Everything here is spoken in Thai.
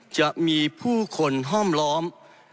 จะมีผู้คนห้อมล้อม